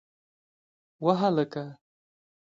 وه هلکه!